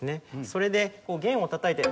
それで弦をたたいて。